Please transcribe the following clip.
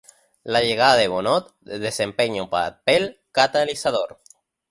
La llegada de Bonnot desempeña un papel catalizador.